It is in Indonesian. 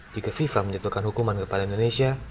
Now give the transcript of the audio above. jika fifa menjatuhkan hukuman kepada indonesia